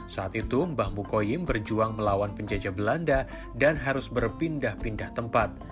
saat itu mbah mukoyim berjuang melawan penjajah belanda dan harus berpindah pindah tempat